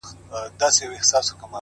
سیاه پوسي ده؛ ورځ نه ده شپه ده؛